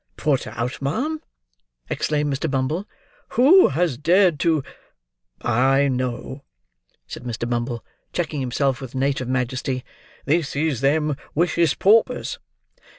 "Put out, ma'am!" exclaimed Mr. Bumble; "who has dared to—? I know!" said Mr. Bumble, checking himself, with native majesty, "this is them wicious paupers!"